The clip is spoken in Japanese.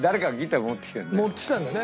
持ってきたんだよね。